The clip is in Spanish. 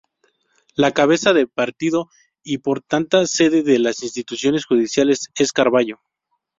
La cabeza de partido y por tanto sede de las instituciones judiciales es Carballo.